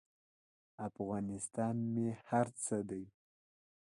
افغانستان مې هر څه دی.